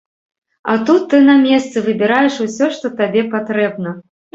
А тут ты на месцы выбіраеш усё, што табе патрэбна.